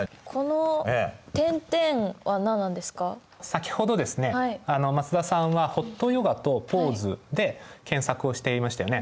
先ほどですね松田さんは「ホットヨガ」と「ポーズ」で検索をしていましたよね。